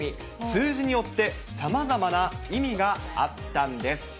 数字によって、さまざまな意味があったんです。